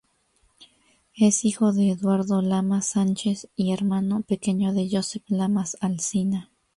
Es hijo de Eduardo Lamas Sánchez y hermano pequeño de Josep Lamas Alsina.